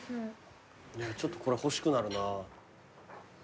ちょっとこれは欲しくなるな。